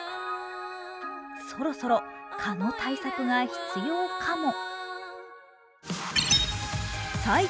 そろそろ「蚊」の対策が必要「か」も。